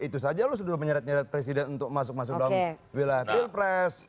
itu saja loh sudah menyeret nyeret presiden untuk masuk masuk dalam wilayah pilpres